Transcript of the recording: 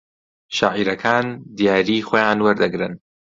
شاعیرەکان دیاریی خۆیان وەردەگرن